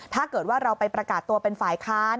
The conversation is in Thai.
ถ้าเกิดว่าเราไปประกาศตัวเป็นฝ่ายค้าน